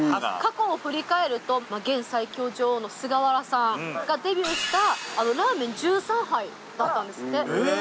過去を振り返ると現最強女王の菅原さんがデビューしたあのラーメン１３杯だったんですって。